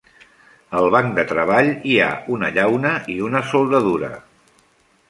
Al banc de treball hi ha una llauna i una soldadura.